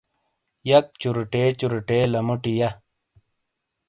یک چوروٹے چوروٹے لموٹی یا